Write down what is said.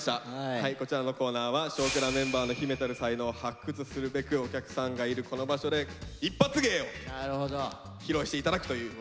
はいこちらのコーナーは「少クラ」メンバーの秘めたる才能を発掘するべくお客さんがいるこの場所でイッパツ芸を披露して頂くということで。